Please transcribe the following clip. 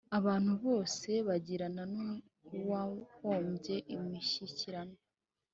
abantu bose bagirana n’ uwahombye imishyikirano